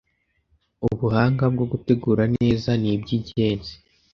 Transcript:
Ubuhanga bwo gutegura neza nibyingenzi